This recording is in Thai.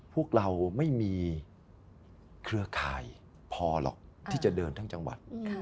พวกเราไม่มีเครือข่ายพอหรอกที่จะเดินทั้งจังหวัด